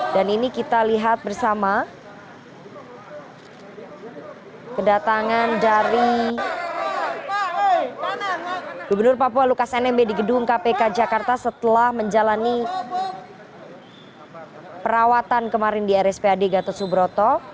dan ini kita lihat bersama kedatangan dari gubernur papua lukas nmb di gedung kpk jakarta setelah menjalani perawatan kemarin di rspad gatot subroto